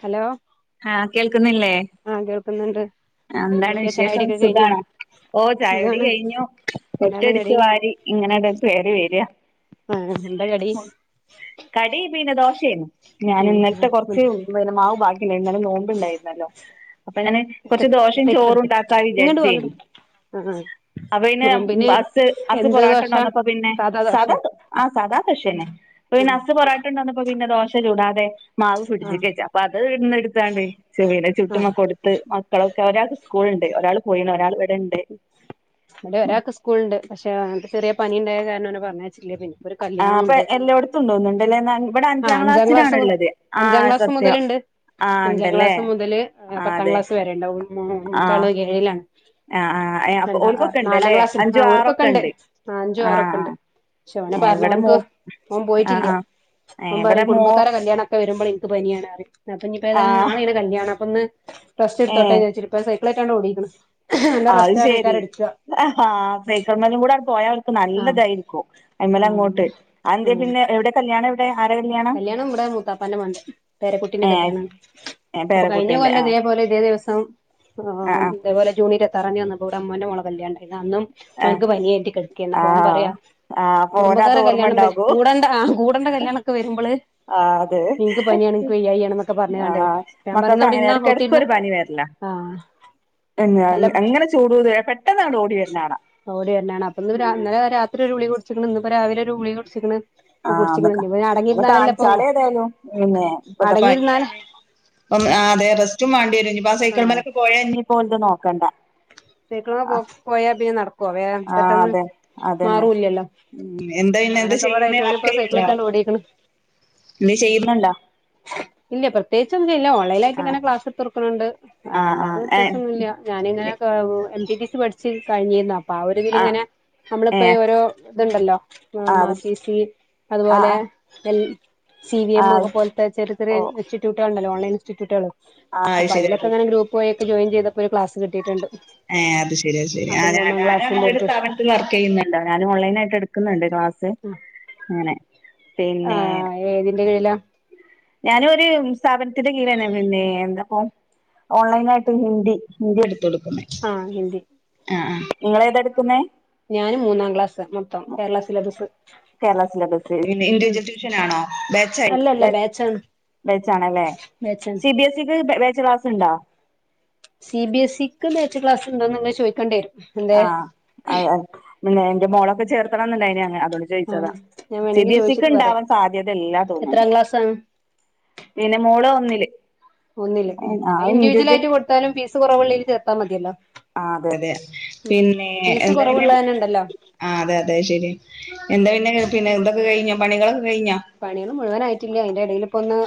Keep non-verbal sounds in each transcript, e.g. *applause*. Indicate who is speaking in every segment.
Speaker 1: Hello?
Speaker 2: ആഹ കേൾക്കുന്നില്ലേ?
Speaker 1: ആഹ കേൾക്കുന്നുണ്ട്.
Speaker 2: എന്താണ്
Speaker 1: എന്തൊക്കെയാ
Speaker 2: വിശേഷം
Speaker 1: ചായടിയൊക്കെ കഴിഞ്ഞോ
Speaker 2: സുഖാണോ? ഓ ചായോടി
Speaker 1: സുഖാണ്
Speaker 2: കഴിഞ്ഞു
Speaker 1: എന്താണ്
Speaker 2: മുറ്റടിച്ചു
Speaker 1: കടി
Speaker 2: വാരി. ഇങ്ങനെ അട് കേറി വരാ.
Speaker 1: *unintelligible*
Speaker 2: കടി പിന്നെ ദോശയേർന്നു ഞൻ
Speaker 1: ഉം
Speaker 2: ഇന്നലത്തെ കൊറച്ച്. പിന്നെ മാവ് ബാക്കി ഇണ്ടായിരുന്നു നോമ്പുണ്ടായിരുന്നല്ലോ? അപ്പൊ ഞാനൊ കുറച്ച് ദോഷയും ചോറും
Speaker 1: സൈക്കിളെടുക്ക്
Speaker 2: ഉണ്ടാക്കാ
Speaker 1: ഇങ്ങട്ട് വാ
Speaker 2: വിചാരിച്ചേനി.
Speaker 1: ഇങ്ങട്ട് വാ ആഹ് ആഹ്
Speaker 2: അപ്പ പിന്നെ
Speaker 1: നോമ്പിന്
Speaker 2: അസ് അസ്
Speaker 1: എന്ത്
Speaker 2: പൊറാട്ട
Speaker 1: ദോശ
Speaker 2: കൊണ്ട ന്നപ്പോ പിന്നെ
Speaker 1: സാധാ ദോശ
Speaker 2: സാദാ ആ സാദാ. ന്നെ
Speaker 1: ഉം
Speaker 2: ഹസ് പൊറാട്ട കൊണ്ടന്നപ്പോ പിന്നെ ദോശെ ചൂടാതെ. മാവ് ഫ്രിഡ്ജി
Speaker 1: ആഹ്
Speaker 2: കെച്ചു അപ്പൊ അത് ഇന്ന് എടുത്താണ്ട് ചെവീന
Speaker 1: ആഹ്
Speaker 2: ചുട്ടുമക്കെടു. ത്ത് മക്കളൊക്കെ ഒരാൾക്ക് സ്കൂളുണ്ട് ഒരാൾ പോയി ഒരാൾ ഇവിടെ ഉണ്ട്.
Speaker 1: അ ഒരാക്ക് സ്കൂള്ണ്ട് പക്ഷെ അത് ചെറിയ പനിയ ഇണ്ടായ കാരണം പറഞ്ഞ യച്ചില്ല. പിന്നെ. ഒരു
Speaker 2: ആ അപ്പൊ
Speaker 1: കല്യാണമുണ്ട്
Speaker 2: എല്ലോടത്തും തോന്നുന്നുണ്ടല്ലേ ഇവിടെ
Speaker 1: ആ അഞ്ചാം ക്ലാസ്സ്
Speaker 2: ക്ലാസ്സിലാണുള്ളത് ആ
Speaker 1: അഞ്ചാം ക്ലാസ്സ്
Speaker 2: സത്യം
Speaker 1: മുതലുണ്ട്.
Speaker 2: ആ
Speaker 1: അഞ്ചാം
Speaker 2: ഉണ്ടല്ലേ
Speaker 1: ക്ലാസ് മുതൽ
Speaker 2: ആ
Speaker 1: പത്താം
Speaker 2: അതെ
Speaker 1: ക്ലാസ് വരെണ്ടാവും.
Speaker 2: ആ
Speaker 1: മൂത്താള് ഏഴിലാണ്.
Speaker 2: ആ ആ അപ്പൊ
Speaker 1: രണ്ടാ
Speaker 2: ഓൽക്കൊക്കെ
Speaker 1: നാലാം
Speaker 2: ഉണ്ടല്ലേ അഞ്ചും
Speaker 1: ക്ലാസ്സിന് ഓർക്കൊക്കെ
Speaker 2: ആറൊക്കെ
Speaker 1: ഉണ്ട് അഞ്ചു
Speaker 2: ആ
Speaker 1: ആറൊക്കെ ഉണ്ട്. പെ ഓനെ
Speaker 2: ആ
Speaker 1: പറഞ്ഞ
Speaker 2: ഇവിടെ മോ
Speaker 1: ഓൻക്ക് ഓൻ
Speaker 2: ആ
Speaker 1: പോയിട്ടില്ല.
Speaker 2: ആ ഏ,
Speaker 1: ഓൻ പറ
Speaker 2: ഇവിടെ
Speaker 1: യും
Speaker 2: മോ
Speaker 1: കുടുംബക്കാര കല്യാണൊക്കെ വരുമ്പോൾ എനിക്ക് പനിയാണ് പറയും അപ്പ ഇനിപ്പോ ഏതായാലും
Speaker 2: ആഹ്
Speaker 1: നാളെ കല്യാണം അപ്പൊ ഇന്ന്. റസ്റ്റ് എടുതോട്ടെ
Speaker 2: ഏഹ്
Speaker 1: വിചാരിച്ച് ഇപ്പ സൈക്കിളേട്ടാണ് ഓടിക്ക്ണ്. നല്ല
Speaker 2: അ അത്
Speaker 1: റസ്റ്റ് ആണേക്കാരം
Speaker 2: ശെരി
Speaker 1: എടുക്ക
Speaker 2: ആ സൈക്കള് മലും കൂടി പോയാ.
Speaker 1: ആഹ്
Speaker 2: നല്ലതായിരിക്കും അയ്മല
Speaker 1: ആഹ്
Speaker 2: അങ്ങോട്ട് ആ എന്തോ
Speaker 1: ആഹ്
Speaker 2: പിന്നെ എവിടെ കല്യാണം എവിടെ ആരെ കല്യാണ?
Speaker 1: കല്യാണം ഇവിടെ മൂത്താപ്പാന്റെ മോന്റെ. പേരക്കുട്ടിന്റെ
Speaker 2: ഏഹ്
Speaker 1: കല്യാണാണ്
Speaker 2: ഏഹ്
Speaker 1: അപ്പൊ കഴിഞ്ഞ
Speaker 2: പേരക്കുട്ടിന്റെ
Speaker 1: കൊല്ലം
Speaker 2: ആഹ്
Speaker 1: ഇതേ പോലെ ഇതേ ദിവസം. ആ
Speaker 2: ആഹ്
Speaker 1: ഇതേപോലെ ജൂണ് ഇരുപത്തിയാറാം തീയതി വന്നപ്പോ ഇവടെ അമ്മോന്റെ മോളെകല്യാണണ്ടയിന് അന്നും.
Speaker 2: ആഹ് ഏഹ്
Speaker 1: ഓൻക്ക് പനിയായിട്ട് കെടക്കായിരുന്നു. അപ്പ ഓൻ
Speaker 2: ആഹ്
Speaker 1: പറയാ
Speaker 2: ആഹ് അപ്പൊ ഓനത്
Speaker 1: കുടുംബക്കാര്ടെ
Speaker 2: ഓർമ്മ
Speaker 1: കല്യാണം
Speaker 2: ഇണ്ടാകും
Speaker 1: കൂടണ്ട. കുണ്ടട കല്യാണൊക്കെ വരുമ്പോള്.
Speaker 2: ആഹ് അതെ
Speaker 1: ഇനിക്ക് പനിയാണ് നിക്ക് വയ്യായണ് എന്നൊക്കെ പറഞ്ഞിങ്ങ ണ്ടേ
Speaker 2: ആഹ്
Speaker 1: ഞാൻ പറഞ്ഞ
Speaker 2: മക്കൾക്ക്
Speaker 1: അവിടെ
Speaker 2: അങ്ങനെ
Speaker 1: ഇന്നാ നോക്കിരുന്ന.
Speaker 2: എടക്കെടക്കൊരു
Speaker 1: ആഹ് നല്ല
Speaker 2: എങ്ങനെ ചൂടു കൂടിയ പെട്ടെന്ന് അങ്ങ് ഓടി വരുന്നാണാ
Speaker 1: ഓടി വരുണ്യാണ് അപ്പൊ ഇന്ന് രാത്രി ഒരുഗുളിക കുടിച്ചിക്കണ് ഇന്ന്പ്പോ രാവിലെ ഒരു ഗുളിക കുടിച്ചിക്കണ്
Speaker 2: ആഹ്
Speaker 1: കുടിച്ചിക്ക്ണ്.
Speaker 2: അതൊക്കെ
Speaker 1: ഇനിപ്പോ ഞാൻ
Speaker 2: ഒന്ന്
Speaker 1: അടങ്ങിയിരുന്നാലല്ലേ ഇപ്പൊ
Speaker 2: കാണിച്ചാളെ ഏതായാലും പിന്നെ ഇപ്പത്തെ പനി
Speaker 1: അടങ്ങിയിരുന്നാല്
Speaker 2: അണ്. അ അതെ റസ്റ്റും മാണ്ടി വരും ഇഞ്ഞി ഇപ്പ ആ സൈക്കിൾ മേലൊക്കെ പോയഞ്ഞിപ്പോലത് നോക്കണ്ട.
Speaker 1: സൈക്കള്മ്മെ പോ പോയ പിന്നെ നടക്ക
Speaker 2: ആഹ അതെ അതന്നെ ഉമ് എന്താ പിന്നെ എന്ത ചെയ്യുന്നോ
Speaker 1: അങ്ങനൊക്കെപാടായിട്ട്
Speaker 2: വർക്ക്
Speaker 1: ഓനിപ്പോ
Speaker 2: ചെയ്യണ്ടോ
Speaker 1: സൈക്കിളേറ്റാണ്ട് ഓടീക്ക്ണ്
Speaker 2: എന്ത് ചെയ്യുന്നുണ്ടോ?
Speaker 1: ഇല്ല പ്രത്യേകിച്ച് ഒന്നും ഇല്ല ഓൺലൈൻായിട്ട്
Speaker 2: ആ
Speaker 1: ഇങ്ങനെ ക്ലാസ് എത്ത് കൊട്ക്കണ് ണ്ട്. ആ അല്ലാതെ പ്രത്യേകിച്ചൊന്നുല്ല. ഞാനിങ്ങനെ എം പി ബി സി പഠിച്ച് കഴിഞ്ഞിരന്ന്. പ
Speaker 2: ആ
Speaker 1: ഒരിതിലിങ്ങനെ.
Speaker 2: ഏ
Speaker 1: നമ്മളിപ്പോ ഈ ഓരോ ഇതുണ്ടല്ലോ
Speaker 2: ആ അത്
Speaker 1: മാസിസി
Speaker 2: ആ
Speaker 1: അതുപോലെ
Speaker 2: ആ
Speaker 1: സി വി
Speaker 2: ആ
Speaker 1: എം ഒക്ക പോലത്തെ ചെറിയ ചെറിയ
Speaker 2: ഓ
Speaker 1: ഇൻസ്റ്റിറ്റ്യൂട്ടുകള ഉണ്ടല്ലോ ഓൺലൈൻ ഇൻസ്റ്റിറ്റ്യൂട്ടുകൾ
Speaker 2: ആ അത്
Speaker 1: അപ്പൊ
Speaker 2: ശരി അത്
Speaker 1: അതിലക്കെങ്ങനെ ഗ്രൂപ്പ് വഴി യിൊക്കെ ജോയിൻ ചെയ്തപ്പോ ഒരു ക്ലാസ് കിട്ടയിട്ടുണ്ട്
Speaker 2: ഏ അത് ശെരി അത് ശെരി ഞാനങ്ങനെ ഒരു സ്ഥാപനത്തിൽ വർക്ക് ചെയ്യുന്നുണ്ട ഞാനും ഓൺലൈൻ ആയിട്ട് എടുക്കുന്നുണ്ട് ക്ലാസ് അങ്ങനെ
Speaker 1: ആ
Speaker 2: പിന്നെ
Speaker 1: ഏതിന്റെ കീഴിലാ
Speaker 2: ഞാന ഒരു സ്ഥാപനത്തിന്റെ കീഴന്നെ നിന്നീനെ എന്താപ്പൊ ഓൺലൈൻ ആയിട്ട് ഹിന്ദി ഹിന്ദി എടുത്ത കൊടുക്കുന്ന
Speaker 1: ആഹ ഹിന്ദി
Speaker 2: ആ ഇങ്ങളെ ഏതാടുക്കുന്ന
Speaker 1: ഞാന് മൂന്നാം ക്ലാസ് മൊത്തം കേരള സിലബസ്
Speaker 2: കേരള സിലബസ്
Speaker 1: ഉം
Speaker 2: ഇൻഡിവിജൽട്യൂഷൻ ആണോ ബാച്ച് -
Speaker 1: അല്ലല്ല ബാച്ചാണ്
Speaker 2: ബേച്ചാണല്ലേ
Speaker 1: മേച്ചാണ്
Speaker 2: സി ബി എസ് ഇക്ക് ബേച്ച് ക്ലാസ് ഇണ്ടോ
Speaker 1: സി ബി എസ്ഇക്ക് ബേച്ച് ക്ലാസ് ഉണ്ടോന്ന് പിന്നെ ചോദിക്കണ്ടി വരും എന്തേ
Speaker 2: ആഹ അ പിന്നെ എന്റെ മോളൊക്കെ ചേർത്തണംന്നുണ്ടായിന
Speaker 1: ആഹ്
Speaker 2: ചോദിച്ചതാ
Speaker 1: ഞാൻ
Speaker 2: സി
Speaker 1: വേണമെങ്കി
Speaker 2: ബി എസ് ഇക്ക്
Speaker 1: ചോദിച്ചിട്ട് പറയാം
Speaker 2: ഉണ്ടാവാൻ സാധ്യത എല്ലാ
Speaker 1: എത്രാം
Speaker 2: തോന്നുന്നു
Speaker 1: ക്ലാസ്സാണ്
Speaker 2: പിന്നെ മോള് ഒന്നില്
Speaker 1: ഒന്നില്
Speaker 2: ആഹ്
Speaker 1: ഇൻിവിജ്വൽ
Speaker 2: ഇൻഡിവിജ്വൽ
Speaker 1: ആയിട്ട് കൊടുത്താലും ഫീസ് കുറവള്ളതിൽ ചേർത്താൽ മതിയല്ലോ
Speaker 2: ആ അതെ അതെ
Speaker 1: ഫീസ് കുറവുള്ള തന്നെ ഇണ്ടല്ലോ
Speaker 2: ആ് അതെ അതെ ശെരി എന്താ പിന്നെ പിന്നെ എന്തൊക്കെ കഴിഞ്ഞോ പണികളൊക്കെ കഴിഞ്ഞോ
Speaker 1: പണികൾ മുഴുവനായിട്ടില്ല അതിന്റെ ഇടയില് ഇപ്പൊ ഒന്ന്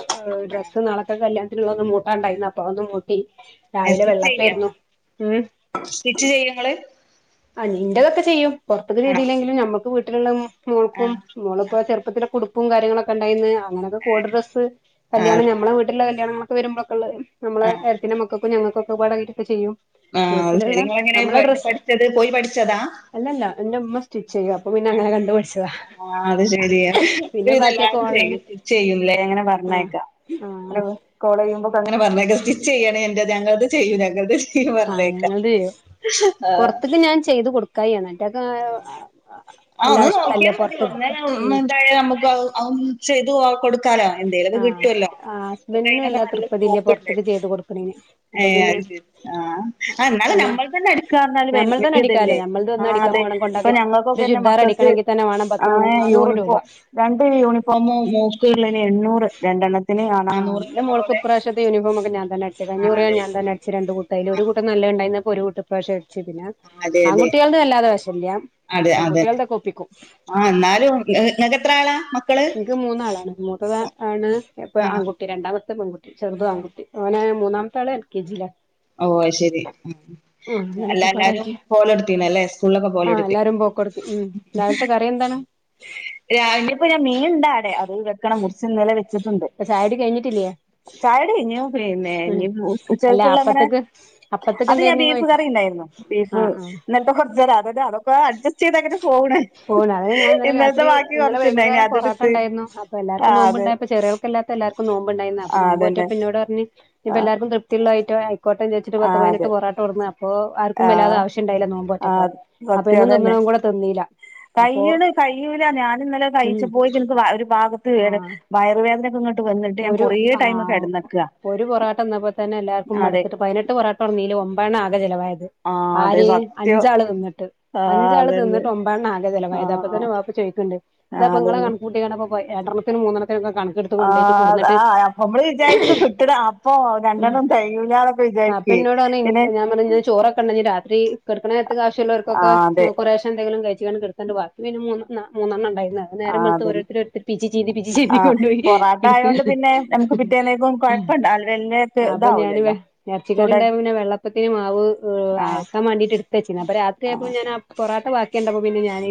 Speaker 1: ഡ്രസ്സ് നളത്തെ ക്കല്യാത്തിന്ന് പോവാന് മൂട്ടാണ്ടായിരുന്നു അതൊന്ന്-
Speaker 2: ആ
Speaker 1: രാവിലെ
Speaker 2: സ്റ്റിച്ച് ചെയ്യോ
Speaker 1: വെള്ളപ്പേരുന്നു ഉം
Speaker 2: സ്റ്റിച്ച് ചെയ്യങ്ങള്
Speaker 1: ആ്ൻന്റെതൊക്കെ ചെയ്യും പുറത്തൊക്ക
Speaker 2: ആണോ
Speaker 1: ചിതില്ലെങ്കിലും നമ്മുക്ക് വീട്ടിലുള്ള-
Speaker 2: ആ
Speaker 1: മോൾക്കും
Speaker 2: ആ
Speaker 1: മോളിപ്പോ ചെറുപ്പത്തിന്റെ ഉടുപ്പും കാര്യങ്ങളൊക്കെ ഉണ്ടായിന്ന് അങ്ങനെക്കെ കോഡ് ഡ്രസ്സ്
Speaker 2: ആ
Speaker 1: കല്യാണം നമ്മെളെ വീട്ടില കല്യാണങ്ങളൊക്കെ വരുമ്പോഴൊക്കെള്ളത് നമ്മള്
Speaker 2: ആ
Speaker 1: എട്ടത്തിന്റെ മക്കക്കും ഞങ്ങക്കൊക്കെപാടക്കെ ചെയ്യും
Speaker 2: ആഹ അത് ശെരി
Speaker 1: വീട്ടിലുള്ള
Speaker 2: നിങ്ങള എങ്ങനെ പഠിച്ചത് പോയി പഠിച്ചതാ
Speaker 1: അല്ലഅല്ല എന്റെ ഉമ്മ സ്റ്റിച്ച് ചെയ്യ
Speaker 2: ആ ആ അത് ശരി ഒരു
Speaker 1: പിന്നെ ബാക്കിയൊക്കെ
Speaker 2: വിതെല്ലാരും ചെയ്യു ചെയ്യൂല്ലേ അങ്ങനെ പറഞ്ഞേക്കാ
Speaker 1: ആഹ
Speaker 2: കോള ചെയ്യുമ്പോക്ക അങ്ങനെ പറഞ്ഞക്കെ സ്റ്റിച്ച് ചെയ്യയാണ് എന്റെ ഞങ്ങളൾത് ചെയ്യും ഞങ്ങത്
Speaker 1: ആഹ് ഞങ്ങത് ചെയ്യ
Speaker 2: ആ
Speaker 1: പുറത്തേക്ക് ഞാൻ ചെയ്ത് കൊടുക്കായി എന്റൊക്കെ
Speaker 2: ആ ഒന്ന് നോക്കിയാ മതി ഒന്ന ഇണ്ടായ എന്തായാലും *unintelligible* നമുക്ക് ചെയ്തു കൊടു ക്കാലോ എന്തേലും ഒക്കെ
Speaker 1: ആഹ്
Speaker 2: കിട്ടുവല്ലോ
Speaker 1: ആഹ്
Speaker 2: ഒക്കെ
Speaker 1: ഹസ്ബൻഡിനും
Speaker 2: അയിനൊക്കെ
Speaker 1: വല്ലാ
Speaker 2: നല്ല
Speaker 1: തൃപ്പതില്ല
Speaker 2: സ്കോപ്പുണ്ട്
Speaker 1: പൊറത്ത്ക്ക് ചെയ്ത് കൊടുക്കണേന്
Speaker 2: ഏ
Speaker 1: അപ്പൊ പിന്നെ
Speaker 2: അത് ശരി ആ എന്നാലും
Speaker 1: പിന്നെ
Speaker 2: നമ്മ തന്നെ അടിക്കാന്നാല്
Speaker 1: ഞമ്മൾ തന്നെ അടിക്കാല്ലോ
Speaker 2: വല്യതല്ലേ
Speaker 1: ഞമ്മൾത്
Speaker 2: ആ
Speaker 1: ഒന്ന് അടിക്കാൻ
Speaker 2: അതെ
Speaker 1: പോണം
Speaker 2: അപ്പൊ
Speaker 1: കൊണ്ടാക്കി ഒരു
Speaker 2: ഞങ്ങൾക്കൊക്കെ ന്റെ
Speaker 1: ചുരിദാർ
Speaker 2: മക്കക്ക്
Speaker 1: അടിക്കണമെങ്കിൽ തന്നെ വേണം പത്ത്
Speaker 2: ആ
Speaker 1: മു നാന്നൂറ് രൂപ
Speaker 2: യൂണിഫോം രണ്ട് യൂണിഫോമോ മോക്കുകളിന് എണ്ണൂറ് രണ്ടെണ്ണത്തിന ആണ്ലെ
Speaker 1: യൂണഫോമൊക്കെ ഞൻ തന്ന അടിച്ച കയിഞ്ഞ കുറെ ഞാൻ തന്നെ അടു രണ്ട് കൂട്ട് അയിൽ ഒരു കൂട്ട നല്ല ഉണ്ടായിന്നപ്പോ ഒരുകൂട്ട് ഇപ്രാവിശ്യം അടിച് പിന്നെ
Speaker 2: അതെ അതെ
Speaker 1: ആൺകുട്ടിൾത് വല്ലാതെ വശല്ല പെൺകുട്ടിൾത്ഒപ്പിക്കും
Speaker 2: ആഹ ന്നാലുംങ്ങക്ക് എത്ര ആളാ മക്കള്?
Speaker 1: എനിക്ക് മൂന്നാളാണ് മൂത്തത് ആണ് ഇപ്പ
Speaker 2: ആ
Speaker 1: ആൺകുട്ടി. രണ്ടാമത്തെ പെൺകുട്ടി. ചെറുത് ആൺകുട്ടി ഓന് മൂന്നാമത്തെ ആള് എൽ കെ ജി ല
Speaker 2: ഓ ശെരി ആ അല്ല
Speaker 1: അങ്ങനൊക്കെ
Speaker 2: എല്ലാരും
Speaker 1: പാടായിട്ട്
Speaker 2: പോലെടുത്തീണല്ലെ സ്കൂളിലൊക്കെ
Speaker 1: ആഹ്
Speaker 2: പോലെടുത്തി
Speaker 1: എല്ലാരും പോക്കൊടുത്തി ഉം രാവിൽത്തെ കറി എന്താണ്
Speaker 2: രവിലെ പ്പൊ മീൻണ്ടടെ അത് വെക്കണം മുറിച്ച് നിലെ വ.. *unintelligible*
Speaker 1: ചായകുടി കഴിഞ്ഞിട്ടില്ലേ
Speaker 2: ചായടി കഴിഞ്ഞു പിന്നെ
Speaker 1: ഉം അല്ല
Speaker 2: ഉച്ചക്കുള്ളങ്ങനെ
Speaker 1: അപ്പത്തേക്ക് അപ്പത്തേക്ക്
Speaker 2: അത് ഞാൻ
Speaker 1: എന്തായിരുന്നുന്ന്
Speaker 2: ബീഫ്
Speaker 1: ചോദിക്കാ
Speaker 2: കറിണ്ടായിരുന്നു. ബീഫ്
Speaker 1: ആഹ് ആഹ്
Speaker 2: ഇന്നലത്തെ കുറച്ച് തരാം അതെ അതൊക്കെ അഡ്സ്റ്റ് ചെയ്ത
Speaker 1: പോഓണ അതെ ഞാൻ ഇന്നെലെ രാത്രി
Speaker 2: ബാക്കി
Speaker 1: ഇലെ
Speaker 2: കൊറച്ചുണ്ടായിനി
Speaker 1: വൈകുന്നേരംറട്ട
Speaker 2: അതെടുത്ത്
Speaker 1: ഉണ്ടായിരുന്നു അപ്പൊ
Speaker 2: ആ
Speaker 1: എല്ലർക്കും
Speaker 2: അതെ
Speaker 1: നോ്പോണ്ടപ്പോപ്പ ചറിയൾക്കെല്ല എല്ലാർക്കും നോമ്പുണ്ടായിരുന്നു അപ്പോ
Speaker 2: ആ
Speaker 1: നോമ്പ്
Speaker 2: അതന്നെ
Speaker 1: നോറ്റപ്പയൊന്നോട് പറഞ്ഞ്
Speaker 2: ആ
Speaker 1: ഇനിപ്പൊ എല്ലാർക്കും തൃപ്തിയുള്ളാ ഐറ്റം ആയിക്കൊട്ടെ വിചാരിച്ച്. ഒരു
Speaker 2: ആ
Speaker 1: പത്ത് പതിനെട്ട്
Speaker 2: അതെ
Speaker 1: പൊറാട്ട കൊണ്ട് വന്ന് അപ്പോ ആർക്കും
Speaker 2: ആ
Speaker 1: വല്ലാതെ ആവശ്യം ഉണ്ടായില നോമ്പ്
Speaker 2: ആ
Speaker 1: നോറ്റപ്പോ. അപ്പൊ
Speaker 2: സത്യം
Speaker 1: എന്നും
Speaker 2: അതന്നെ
Speaker 1: തിന്നണം കൂടി തിന്നിയില്ല.
Speaker 2: കയ്യണ് കയ്യൂലാ ഞാനി ഇന്നലെ കഴിച്ച
Speaker 1: ഉം
Speaker 2: പോയക്ക് ൻക്ക് ഒരു ഭാഗത്ത് വേദന
Speaker 1: ആഹ്
Speaker 2: വയറുവേദനൊക്കെ ഇങ്ങോട്ട്. വന്നിട്ട് ഞാൻ
Speaker 1: ഒരു
Speaker 2: കൊറേ ടൈം
Speaker 1: ആഹ്
Speaker 2: കിടന്നക്കാ
Speaker 1: ഒരു പൊറാട്ട തിന്നപ്പം തന്നെ എല്ലാവർക്കും
Speaker 2: അതെ
Speaker 1: മടുത്തിട്ട് പതിനെട്ട് പൊറട്ട. കൊണ്ടു വന്നീല് ഒമ്പെണ്ണം ആകെ ചെലവായത്
Speaker 2: ആഹ് അതെ
Speaker 1: ആര്
Speaker 2: സത്യം
Speaker 1: അഞ്ചാള് തിന്നിട്ട്.
Speaker 2: ആഹ് അതന്നെ.
Speaker 1: ഒമ്പെണ്ണം ആകെ ചെലവായത്
Speaker 2: ആഹ്
Speaker 1: അപ്പതന്നെ വാപ്പു ചോയ്ക്കണ്ട് ഇതാ
Speaker 2: ആഹ്
Speaker 1: ഇപ്പ നിങ്ങളെ
Speaker 2: അതന്നെ
Speaker 1: കണക് ക്കു കൂട്ടിക്കാണ്ട് അപ്പോ പോയി രണ്ടെണ്ണത്തിന് മൂന്നെണ്ണത്തിക്കെ കണക്കെടുത്ത്. കൊണ്ടോയിട്ട്
Speaker 2: ആഹ്.
Speaker 1: കൊടുന്നിട്ട്
Speaker 2: ആഹ് അപ്പൊ നമ്മള് വിചാരിക്കു കിട്ടണ അപ്പൊ രണ്ടെണ്ണം തെകയൂല ന്നൊക്കെ വിചാരിക്കേ.
Speaker 1: *unintelligible* ഞാൻ. ഞാൻ പറഞ്ഞ് ചോറൊക്കെണ്ടെ രാത്രി കേട്ക്കണ നേരത്ത്ക്ക് ആവശ്യുള്ളർക്കൊക്കെ
Speaker 2: ആഹ് അതെ
Speaker 1: കുറേശ്ശെ എന്തെങ്കിലും കഴിച്ചുങ്ങാട്ട് കിടക്കാം. ബാക്കി പിന്നെ മൂന്നെണ്ണം ഉണ്ടായിരുന്നു അത് നേരം
Speaker 2: ആഹ്
Speaker 1: വെളുത്തപ്പം
Speaker 2: അതന്നെ
Speaker 1: ഓരോരുത്തര് പിച്ചി ചീന്തി പിച്ചി ചീന്തി
Speaker 2: ആഹ്
Speaker 1: കൊണ്ട്പോയി.
Speaker 2: പൊറാട്ട
Speaker 1: എടുത്തു
Speaker 2: ആയോണ്ട് പിന്നെ നമുക്ക് പിറ്റേന്നേക്കും കൊഴപ്പണ്ട വല്ല്യ
Speaker 1: അപ്പൊ ഞാന വെ
Speaker 2: ഇതാവൂലല്ലോ
Speaker 1: എറച്ചിക്കറി
Speaker 2: ചൂട
Speaker 1: യുണ്ടായപ്പം പിന്നെ വെള്ളപ്പത്തിന് മാവ്
Speaker 2: ആഹ്
Speaker 1: അരക്കാൻ വേണ്ടയിട്ട് എടുത്ത് വച്ചിരുന്നു അപ്പൊ രാത്രിയപ്പോ
Speaker 2: ആഹ്
Speaker 1: ഞാന് പൊറാട്ട ബാക്കി കണ്ടപ്പോ പിന്നെ ഞാന്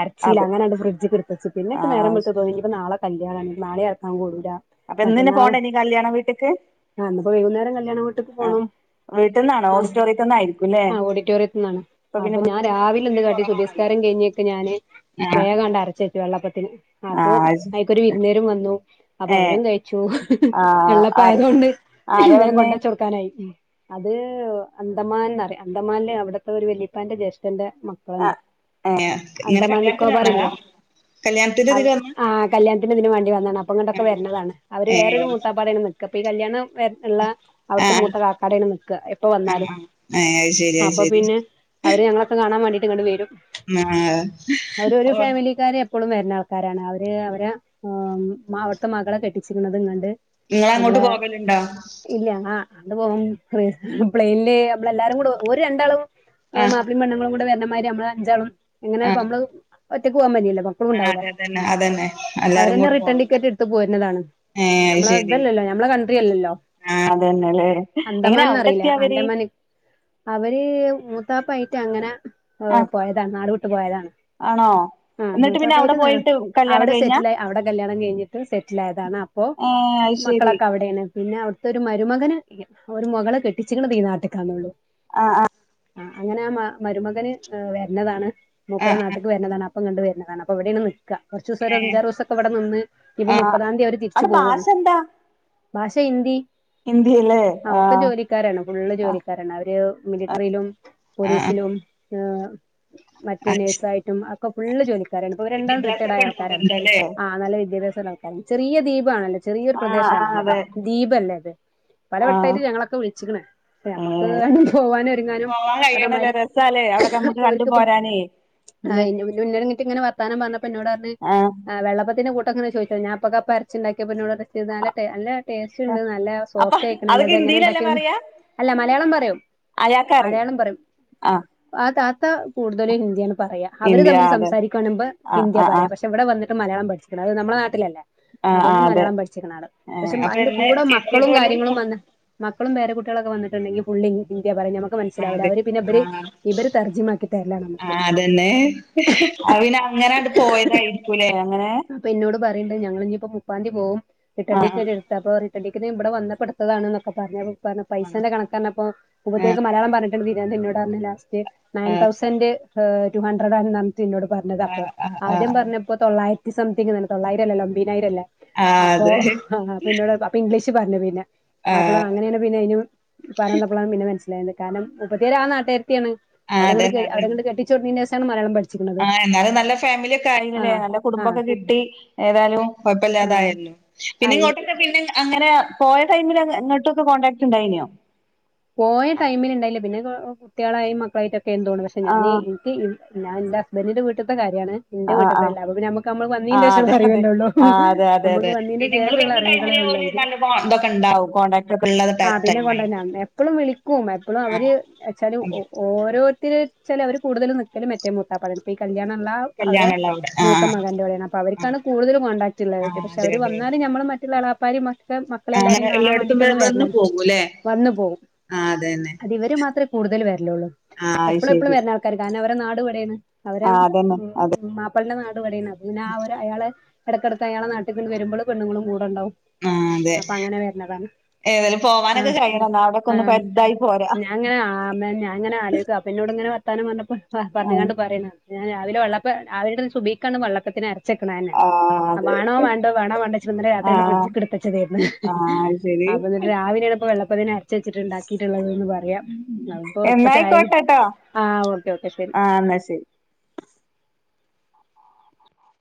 Speaker 1: അരച്ച് ച്ചീല
Speaker 2: അത്
Speaker 1: അങ്ങനെയങ്ങ് ഫ്രഡ്ജ്ക്ക് കെടുത്തുവച്ചു പിന്നെ ഇപ്പ നേരം
Speaker 2: ആഹ്
Speaker 1: വെളുത്തപ്പം തോന്നി ഇനിപ്പോ നാളെ കല്യാണം ഉണ്ട് നാളെ അരയ്ക്കാൻ കൂടൂല.
Speaker 2: അപ്പൊ എന്നന്നെ
Speaker 1: മറ്റന്നാള്
Speaker 2: പോണ്ടേ നീ കല്യാണ വീട്ട്ക്ക്
Speaker 1: ഇന്നിപ്പോ വൈകുന്നേരം കല്യാണം വീട്ട്ക്ക്
Speaker 2: ആഹ്
Speaker 1: പോണം.
Speaker 2: വീട്ടിന്നാണോ
Speaker 1: അഹ്
Speaker 2: ഓഡിറ്റോറിയത്തിന്നായിരിക്കുംല്ലേ
Speaker 1: ആഹ് ഓഡിറ്റോറിയത്ത്ന്നാണ്
Speaker 2: ഇപ്പൊ പിന്നെ
Speaker 1: അപ്പൊ ഞാൻ
Speaker 2: വീട്ടിന്ന്
Speaker 1: രാവിലെ
Speaker 2: പൊതുവെ
Speaker 1: എന്ത് കാട്ടി
Speaker 2: കൊറവാണല്ലോ
Speaker 1: സുബഹിസ്കാരം കഴിഞ്ഞെ ഞാന്
Speaker 2: ആഹ്
Speaker 1: വേഗം അണ്ട് അരച്ച് വച്ചു വെള്ളപ്പത്തിന് അപ്പൊ
Speaker 2: ആഹ്
Speaker 1: അയിക്കൊരു വിരുന്നുക്കാരും വന്നു. അപ്പൊ
Speaker 2: ഏഹ്
Speaker 1: അവരും കഴിച്ചു
Speaker 2: ആഹ്
Speaker 1: വെള്ള അപ്പ
Speaker 2: ആര്
Speaker 1: ആയതുകൊണ്ട്
Speaker 2: ആരാ
Speaker 1: വേഗം
Speaker 2: വന്നേ
Speaker 1: കൊണ്ട് വച്ചു കൊടുക്കാനായി. അത് അന്തമാൻന്ന് പറയു അന്തമാനിലെ അവിടത്തെ ഒരു വല്യാ ഇപ്പാന്റെ ജ്യേഷ്ഠന്റെ മക്ക ക്കളുണ്ട്
Speaker 2: ആഹ് ഇങ്ങനെ കല്യാണത്തിന് വന്നതാ
Speaker 1: അന്താമാൻനിക്കോബാറില്ലേ
Speaker 2: കല്യാണത്തിന്റെ
Speaker 1: അവ്
Speaker 2: ഇതിന് വന്ന
Speaker 1: ആഹ്. കല്യാണത്തിന് ഇതിന് വേണ്ടി വന്നാണ് അപ്പ ഇങ്ങട്ടോക്കെ വരണതാണ് അവര് വേറൊരു
Speaker 2: ഏഹ്
Speaker 1: മുത്താപ്പാന്റെ അവിടാണ് നിക്ക ഇപ്പൊ ഈ കല്യാണം. ഉള്ള അവിടുത്തെ
Speaker 2: ആഹ്
Speaker 1: മൂത്ത കാക്കാടെ യവിടെയാണ് നിക്കുക എപ്പ
Speaker 2: ആഹ്
Speaker 1: വന്നാലും.
Speaker 2: ആഹ് ഏഹ് അത് ശരി അത്
Speaker 1: അപ്പൊ
Speaker 2: ശരി
Speaker 1: പിന്നെ അവര് ഞങ്ങളൊക്കെ കാണാൻ വേണ്ടീട്ട് ഇങ്ങണ്ട് വരും.
Speaker 2: ആഹ്
Speaker 1: അവര് ഒരു
Speaker 2: ഓഹ്
Speaker 1: ഫാമിലിക്കാര്. എപ്പളും വരുന്ന ആൾക്കാരാണ് അവര് അവരെ അവിടുത്തെ മകളെ കെട്ടിച്ചിരിക്കുന്നതും കണ്ട്.
Speaker 2: നിങ്ങള് അങ്ങോട്ട് പോകലുണ്ടോ?
Speaker 1: ഇല്ല ആഹ് അത് പോം പ്ലെയിനില് നമ്മള് എല്ലാരും കൂടെ ഓരു രണ്ടാളും.
Speaker 2: ആഹ്
Speaker 1: മാപ്പിളെ പെണ്ണുങ്ങളും കൂടി വരണമാതിരി നമ്മള് അഞ്ചാളും എങ്ങനെ അപ്പ
Speaker 2: ആഹ്
Speaker 1: നമ്മള് ഒറ്റക്ക് പോവാൻ പറ്റില്ലല്ലോ ഇപ്പം.
Speaker 2: ആഹ് അതെ അതന്നെ അതന്നെ എല്ലാരും കൂടെ
Speaker 1: റിട്ടേൺ
Speaker 2: പോണം.
Speaker 1: ടിക്കറ്റ് എടുത്ത് പോരുന്നതാണ് നമ്മളെ ഇതല്ലല്ലോ നമ്മളെ കൺട്രി അല്ലല്ലോ.
Speaker 2: ആഹ് അതന്നെല്ലേ എങ്ങനെ അവിടെ
Speaker 1: അന്തമാൻന്ന്റിയില്ല
Speaker 2: എത്തിയോ അവര്
Speaker 1: ആറ്റാമാൻ നിക്കോ അവര് മൂത്താപ്പായിട്ട് അങ്ങനെ
Speaker 2: ആഹ്
Speaker 1: പോയതാണ് നാടു വിട്ട് പോയതാണ്.
Speaker 2: ആണോ
Speaker 1: ആഹ്
Speaker 2: എന്നിട്ട് പിന്നെ അവിടെ
Speaker 1: മുത്താപ്പായിട്ടും നാട്
Speaker 2: പോയിട്ട് കല്യാണം
Speaker 1: അവിടെ
Speaker 2: കഴിഞ്ഞാ
Speaker 1: സെറ്റില് ആയി അവിടെ കല്യാണം കഴിഞ്ഞും. സെറ്റിലായതാണ് അപ്പൊ
Speaker 2: ഏഹ് അത് ശരി
Speaker 1: മക്കളൊക്കെ അ അവിടെ ആണ് പിന്നെ അവിടുത്തെ ഒരു മരുമകന് ഒരു മുകളെ കെട്ടിച്ചിക്കണത് ഈ നാട്ടക്കാന്നൊള്ളു.
Speaker 2: ആഹ് ആഹ്.
Speaker 1: ആഹ് അങ്ങനെ ആഹ് മ മരുമകന് വരുന്നതാണ് മൂപ്പരെ
Speaker 2: ആഹ്
Speaker 1: നാട്ട്ക്ക് വരുന്നതാണ് അ പ്പൊ ഇങ്ങട്ട് വരുന്നതാണ് അപ്പൊ ഇവിടെയാണ് നിക്ക കുറച്ചു ദിവസം ഒരു അഞ്ചാറ് ദിവസൊക്കെ ഇവിടെ നിന്ന്. ഇപ്പൊ
Speaker 2: ആഹ്
Speaker 1: മുപ്പതാം തീ അവര് തിരിച്ചു
Speaker 2: അവിടെ
Speaker 1: പോവുവാണ്
Speaker 2: ഭാഷ
Speaker 1: ഭാഷ ഹിന്ദി.
Speaker 2: ഹിന്ദി അല്ലേ.
Speaker 1: ആഹ് ഒക്കെ ജോലിക്കാരാണ് ഫുള്ള് ജോലിക്കാരാണ് അവര് മിലിറ്ററിയിലും.
Speaker 2: ആഹ്
Speaker 1: പോലീസിലും ഏഹ്. മറ്റേ നഴ്സായിട്ടും ഒക്കെ ഫുള്ള് ജോലിക്കാരാണ് ഇപ്പം രണ്ടാളും റിട്ടേഡ്
Speaker 2: വിദ്യാഭ്യാസൊക്കെ
Speaker 1: ആയ ആൾക്കാരാണ്
Speaker 2: ഉണ്ടാവല്ണ്ടല്ലേ
Speaker 1: ആഹ് നല്ല വി വിദ്യാഭ്യാസമുളള ആള്‍ക്കാരാണ് ചെറിയ ദ്വീപ് ആണല്ലോ ചെറിയൊരു
Speaker 2: ആഹ് ആഹ്
Speaker 1: പ്രദേശമാണല്ലോത്
Speaker 2: അതെ
Speaker 1: ദ്വീപല്ലേ അത്.
Speaker 2: ആഹ്
Speaker 1: പലവട്ടായായിട്ട് ഞങ്ങളൊക്കെ വിളിച്ചിക്ക്ണ്. നമ്മക്ക്
Speaker 2: ഏഹ്
Speaker 1: അയിന് പോവാനും ഒരുങ്ങാനും
Speaker 2: പോവാൻ കഴിയണല്ലേ
Speaker 1: പറഞ്ഞമാതിരി
Speaker 2: രസാല്ലേ അവിടൊക്കെ നമ്മുക്ക് കണ്ടു
Speaker 1: ഓർക്കിപ്പൊ.
Speaker 2: പോരാനേ പിന്നെ
Speaker 1: അയിന് മുൻ എന്നോട് ഇങ്ങോട്ട് വർത്താനം പറഞ്ഞപ്പോ എന്നോട് പറഞ്ഞ്
Speaker 2: ആഹ്
Speaker 1: വെള്ളപ്പത്തിന്റെ കുടെ അപ്പൊ ഇങ്ങനെ ചോയിച്ചതാ ഞാനപ്പൊക്കെ അപ്പോ അറച്ചിണ്ടാക്കിയപ്പോ എന്നോട് പറഞ്ഞ് ഇത് നല്ല ടെ നല്ല ടേസ്റ്റ്ണ്ട് നല്ല
Speaker 2: അപ്പൊ അത്
Speaker 1: സോഫ്റ്റായിക്ക്ണല്ലോ തെങ്ങനെ
Speaker 2: ഹിന്ദിയിലല്ലേ
Speaker 1: ഉണ്ടാക്കിയന്ന് അല്ല മലയാളം പറയും
Speaker 2: അയാക്കറിം
Speaker 1: മലയാളം പറയും
Speaker 2: ആഹ്‌
Speaker 1: ആ താത്ത കൂടുതലും ഹിന്ദിയാണ് പറയാ അവര്
Speaker 2: ഹിന്ദി
Speaker 1: തമ്മിൽ
Speaker 2: ആഹ് അതെ
Speaker 1: സംസാരിക്കാണുമ്പോ
Speaker 2: ആഹ്
Speaker 1: ഹിന്ദിയ
Speaker 2: ആഹ്
Speaker 1: പറയാ
Speaker 2: ആഹ്
Speaker 1: പശ് പ്പവടെ വന്നിട്ട് മലയാളം പഠിച്ച്ക്ക്ണ്. അത് നമ്മളെ നാട്ടിലല്ലേ
Speaker 2: ആഹ്
Speaker 1: അതോണ്ട്
Speaker 2: ആഹ് അതെ
Speaker 1: മലയാളം പഠിച്ചിക്ക്ണാള്. പക്ഷെ
Speaker 2: ആഹ് അപ്പൊ
Speaker 1: അയിന്റെ
Speaker 2: ഇന്ന്
Speaker 1: കൂടെ മക്കളും
Speaker 2: എത്തിയത് ഓല്
Speaker 1: കാര്യങ്ങളും വന്ന് മക്കളും പേരകുട്ട്യാളൊക്കെ വന്നിട്ടുണ്ടെങ്കിം ഫുള്ളി ഹിന്ദി പറയ. നമ്മക്ക്
Speaker 2: ആഹ്
Speaker 1: മൻസ്സിലാവുല.
Speaker 2: അതെ
Speaker 1: അവര് പിന്നെ ഇബര്
Speaker 2: ആഹ്
Speaker 1: ഇബര് തർജ്ജമാക്കി തര്ലാണമ്മക്ക്
Speaker 2: തന്നെ അഹ് പിന്നെ അങ്ങനണ്ട് പോയതായിരിക്കൂലേ അങ്ങനെ
Speaker 1: അപ്പൊ ഇന്നോട് പറിണ്ട് ഞങ്ങളിന്നിപ്പോ മുപ്പാന്തി പോവും. റിട്ടൺ
Speaker 2: ആഹ്
Speaker 1: ടിക്കറ്റ് ഇട് ത്തപ്പോ റിട്ടൺ ടിക്കറ്റ് ബടെ വന്നപ്പട്ത്തതാണ് ന്നൊക്കെ പറഞ്ഞ് പറഞ്ഞ്
Speaker 2: ആഹ്
Speaker 1: പൈസന്റെ കണക്ക് പറഞ്ഞപ്പോ മൂപ്പതിക്ക് മലയാളം പറഞ്ഞിട്ടാണ്ട് തിരിയാതെ എന്നോട് പറഞ്ഞ് ലാസ്റ്റ് നയൻ
Speaker 2: ആഹ്
Speaker 1: തൗസൻഡ് ടു ഹൺണ്ട്രഡ് ആണ് നംതി ഇനോട് പറഞ്ഞതപ്പോ
Speaker 2: ആഹ് ആഹ് ആഹ്
Speaker 1: ആദ്യം
Speaker 2: ആഹ് ആഹ്
Speaker 1: പർഞ്ഞപ്പോ തൊള്ളായിര സംതിങ്ന്നല്ലെ തൊള്ളായിരം അല്ലേല്ലോ അമ്പതിനായിരം അല്ലേ
Speaker 2: ആഹ്
Speaker 1: അപ്പൊ
Speaker 2: അതെ
Speaker 1: ഇന്നോട് അപ്പൊ ഇംഗ്ലീഷ് പറഞ്ഞു പിന്നെ അപ്പള
Speaker 2: ആഹ്
Speaker 1: അങ്ങനെയാണ് പിന്നെ അയിന് പറഞ്ഞന്നപ്പളാണ് പിന്നെ മനസ്സിലായത് കാരണം മുപ്പത്തിയാര് ആ നാട്ടുകരത്തിയാണ്
Speaker 2: ആഹ്
Speaker 1: ഓളെ ഇങ്ങട്ട്
Speaker 2: അതന്നെ അതന്നെ
Speaker 1: അവളെങ്ങട്ട് കെട്ടിച്ചൊട് ന്നേന്റെശാണ് മലയാളം പഠിച
Speaker 2: ആഹ് എന്നാലും നല്ല ഫാമില്യെക്കായീലെലേ നല്ല
Speaker 1: ആ
Speaker 2: കുടുംബൊക്കെ കിട്ടി ഏതായാലും
Speaker 1: ആ
Speaker 2: കൊഴപ്പല്ലാതായല്ലോ,
Speaker 1: ആ
Speaker 2: പിന്നെ
Speaker 1: ഇവ-
Speaker 2: ഇങ്ങോട്ടൊക്കെ പിന്നെ അങ്ങനെ പോയ ടൈമില് ഇങ്ങോട്ടൊക്കെ കോണ്ടാക്ട് ണ്ടായിന്യോ
Speaker 1: പോയ ടൈമിലിണ്ടായില്ല. പിന്നെ കുട്ടികളായി മക്കളായിട്ടൊക്കെ എന്തോണ്. പക്ഷെ ഞാനീ
Speaker 2: ആഹ്
Speaker 1: ക്ക്‌ ഞാൻ ൻ്റെ ഹസ്ബന്റിന്റെ വീട്ട്ത്തെ കാര്യാണ് ഇന്റെ
Speaker 2: ആഹ് ആഹ്
Speaker 1: വിട്ട്തല്ല അപ്പെ പിന്നെ അമ്മക്ക് അമ്മക്ക്‌ വന്നീന്റെ
Speaker 2: ആഹ് അതെ
Speaker 1: ശേഷള്ള
Speaker 2: അതെ
Speaker 1: അറിവല്ലേ ഉള്ളൂ.
Speaker 2: ആഹ് അതെ
Speaker 1: നമ്മുക്ക് വന്നീന്റെ ശേഷള്ള അറിവുകളേ ഉള്ളെ
Speaker 2: *unintelligible* ഇതൊക്കെണ്ടാവും കോൺടാക്ട് ഒക്കെ ഉള്ളത ടൈ ടൈം ആയിട്-
Speaker 1: എപ്പളും വിളിക്കും എപ്പളും അവര് എച്ചാലും ഒ
Speaker 2: അതെ
Speaker 1: ഓരോരുത്തര്ച്ചാല് അവർ കൂടുതൽ നിക്കലും മറ്റേ മൂത്താപ്പാൻ്റെ ഇപ്പ ഈ കല്യാണള്ള
Speaker 2: കല്യാണള്ള വ്
Speaker 1: മൂത്ത മകന്റോടെയാണ്. അപ്പൊ അവർക്കാണ് കൂടുതല് കോണ്ടാക്ട് ഇള്ളത്
Speaker 2: ആഹ്
Speaker 1: പക്ഷെ
Speaker 2: അതെ
Speaker 1: അവർ
Speaker 2: അതെ അതെ
Speaker 1: വന്നാല് നമ്മള് മറ്റുള്ള എളാപ്പാരിം ക്കെ
Speaker 2: ആ
Speaker 1: മക്കളെ
Speaker 2: അങ്ങനെ
Speaker 1: എല്ലാരിം കാണാൻ
Speaker 2: എല്ലായിടത്തും
Speaker 1: വേണ്ടിട്ടൊന്ന് വെര്നം. വന്നു പോകും
Speaker 2: ആതന്നെ
Speaker 1: അതിവര് മാത്രേ കൂടുതൽ വര്ലൊള്ളൂ.
Speaker 2: അത്
Speaker 1: എപ്പളു എപ്പളും
Speaker 2: ശരി
Speaker 1: വര്നാൾക്കാര്, കാരണം ഇവരെ നാട് വടേണ് അവരെ
Speaker 2: ആഹ് അതന്നെ അതെ
Speaker 1: ഉം മാപ്പിൾന്റെ നാട് വടേണ്. അപ്പം പിന്നെ ആവരെ അയാളെ എടക്കെടക്ക് അയാളെ നാട്ട്ക്ക്ണ്ട് വരുമ്പള് പെണ്ണുങ്ങളും കൂടെണ്ടാവും
Speaker 2: ആഹ് അതെ
Speaker 1: അപ്പങ്ങനെ വര്നതാണ് ആഹ്
Speaker 2: ഏതാ നാട്
Speaker 1: ആഹ് ഞാങ്ങനെ ആ ഞാൻ അങ്ങനെ ആലോയ്ക്കും. അപ്പന്നോട്ങ്ങനെ വർത്താനം പർഞ്ഞപ്പോ പ
Speaker 2: ആഹ്
Speaker 1: പറഞ്ഞികാണ്ട് പറയാണ് ഞാൻ രാവിലെ വെള്ളപ്പം രാവിലത്തെ സുബൈക്കാണ് വള്ളപ്പത്തിന് അരച്ചെക്കണെന്നെ
Speaker 2: ആഹ്
Speaker 1: ആ
Speaker 2: അതെ
Speaker 1: വാണോ വാണ്ടോ വാണോ വാണ്ടേ ച്ട്ട് ന്നലെ രാത്രിയണ്ട്
Speaker 2: ആഹ്
Speaker 1: ഫ്രിഡ്ജ്ക്ട്ച്ചതേര്ന്ന്.
Speaker 2: ആഹ് ശരി
Speaker 1: അപ്പന്ന്ട്ട് രാവിലെണ്പ്പൊ വെള്ളപ്പത്തിനര് ചച്ചിട്ട്ണ്ടാക്കിട്ട്ള്ളത്ന്ന് പറ്യ. നാന്പ്പൊ പ്പ ചായ്,
Speaker 2: എന്നായിക്കോട്ടെട്ടോ
Speaker 1: ആ ഓക്കെ ഓക്കെ ശരി
Speaker 2: ആഹ് എന്നാ ശരി